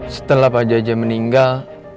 setelah pak jaja meninggal